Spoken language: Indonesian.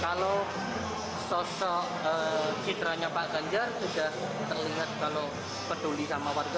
kalau sosok citranya pak ganjar sudah terlihat kalau peduli sama warga